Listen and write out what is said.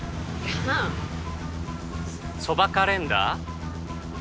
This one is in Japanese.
ああそばカレンダー？